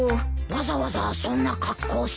わざわざそんな格好して？